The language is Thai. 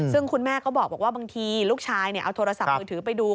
ซึ่งคุณแม่ก็บอกว่าบางทีลูกชายเอาโทรศัพท์มือถือไปดู